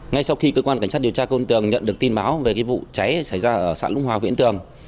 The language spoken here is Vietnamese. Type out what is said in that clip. ngay sau khi cơ quan cảnh sát điều tra công an tường nhận được tin báo về vụ cháy xảy ra ở xã lũng hòa viễn tường